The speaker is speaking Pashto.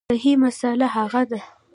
صحیح مسأله هغه ده